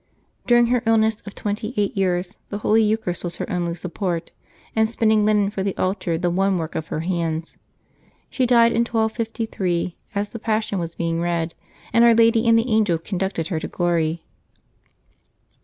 During her illness of twenty eight years the Holy Eucharist was her only support and spinning linen for the altar the one work of her hands. She died in 1253, as the Passion was being read, and Our Lady and the angels conducted her to glory.